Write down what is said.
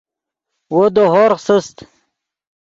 وو دے ہورغ سست